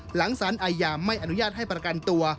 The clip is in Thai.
หลังสารอาญาไม่อนุญาตให้ประกันตัว